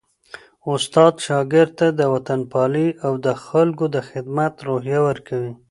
استاد شاګرد ته د وطنپالني او د خلکو د خدمت روحیه ورکوي.